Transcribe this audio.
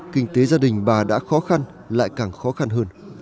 kinh tế gia đình bà đã khó khăn lại càng khó khăn hơn